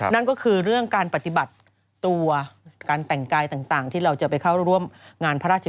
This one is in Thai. นั่นก็คือเรื่องการปฏิบัติตัวการแต่งกายต่างที่เราจะไปเข้าร่วมงานพระราช